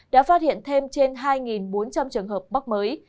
đã phát hiện thêm trên hai bốn trăm linh trường hợp mắc mới